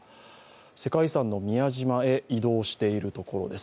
世界遺産の宮島へ移動しているところです。